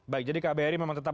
baik jadi kbri memang tetap